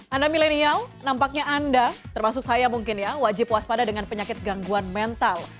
anda milenial nampaknya anda termasuk saya mungkin ya wajib waspada dengan penyakit gangguan mental